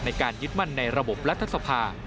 ในการยึดมั่นในระบบรัฐสภา